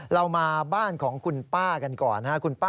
เรามาบ้านของคุณป้ากันก่อนนะครับ